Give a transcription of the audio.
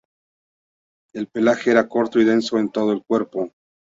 El pelaje era corto y denso en todo el cuerpo.